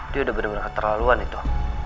dia udah bener bener keterlaluan itu